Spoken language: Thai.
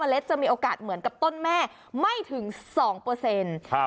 เล็ดจะมีโอกาสเหมือนกับต้นแม่ไม่ถึงสองเปอร์เซ็นต์ครับ